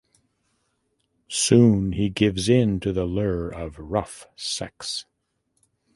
Soon he gives into the lure of rough sex.